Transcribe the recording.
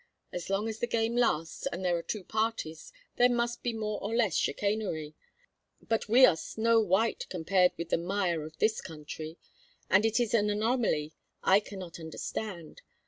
As long as the game lasts, and there are two parties, there must be more or less chicanery, but we are snow white compared with the mire of this country. And it is an anomaly I cannot understand.